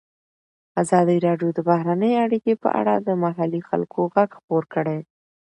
ازادي راډیو د بهرنۍ اړیکې په اړه د محلي خلکو غږ خپور کړی.